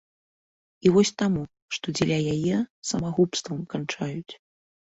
А вось таму, што дзеля яе самагубствам канчаюць.